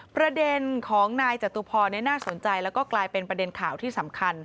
ประเด็นของนายจตุพรน่าสนใจแล้วก็กลายเป็นประเด็นข่าวที่สำคัญ